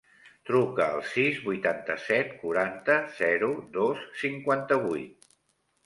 Truca al sis, vuitanta-set, quaranta, zero, dos, cinquanta-vuit.